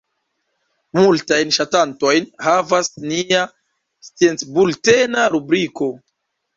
Multajn ŝatantojn havas nia sciencbultena rubriko.